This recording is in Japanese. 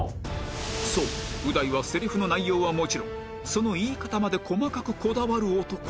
そうう大はセリフの内容はもちろんその言い方まで細かくこだわる男